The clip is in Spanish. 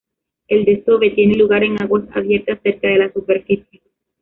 El desove tiene lugar en aguas abiertas cerca de la superficie.